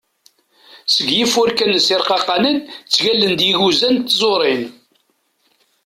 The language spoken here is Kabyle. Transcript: Seg yifurkan-is irqaqanen ttaglen-d yiguza n tẓurin.